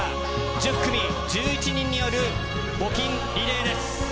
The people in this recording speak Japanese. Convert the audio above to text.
１０組１１人による募金リレーです。